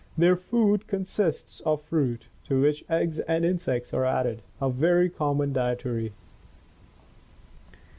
Their food consists of fruit, to which eggs and insects are added, a very common dietary.